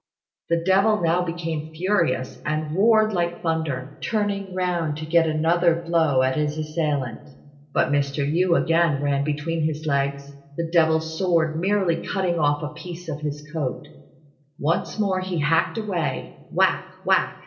The devil now became furious, and roared like thunder, turning round to get another blow at his assailant. But Mr. Yü again ran between his legs, the devil's sword merely cutting off a piece of his coat. Once more he hacked away whack! whack!